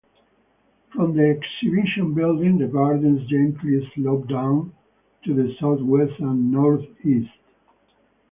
From the Exhibition building the gardens gently slope down to the southwest and northeast.